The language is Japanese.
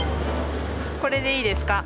これでいいですか？